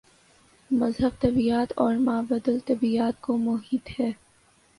مذہب طبیعیات اور مابعدالطبیعیات کو محیط ہے۔